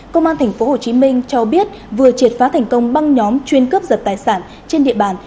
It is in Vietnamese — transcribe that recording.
công an tp hcm cho biết vừa triệt phá thành công băng nhóm chuyên cướp giật tài sản trên địa bàn